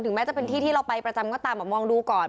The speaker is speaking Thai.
แม้จะเป็นที่ที่เราไปประจำก็ตามมองดูก่อน